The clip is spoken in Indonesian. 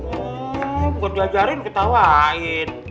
oh bukan diajarin ketawain